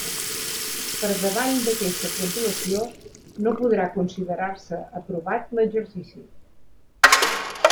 Per davall d'aqueixa puntuació, no podrà considerar-se aprovat l'exercici.